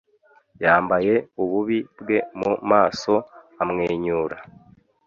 Yambaye ububi bwe mu maso amwenyura.